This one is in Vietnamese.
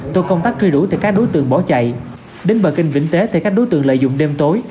tổ công tác truy đủ thể các đối tượng bỏ chạy đến bờ kênh vĩnh tế thể các đối tượng lợi dụng đêm tối